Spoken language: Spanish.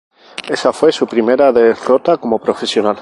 Esa fue su primera derrota como profesional.